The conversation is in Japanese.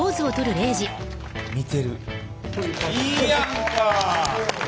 いいやんか！